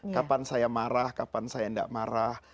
kapan saya marah kapan saya tidak marah